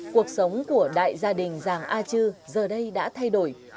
cuộc sống của đại gia đình giàng a chư giờ đây đã thay đổi